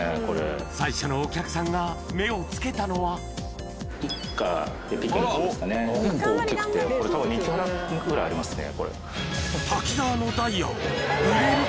最初のお客さんが目を付けたのは結構大きくて２カラットぐらいありますね。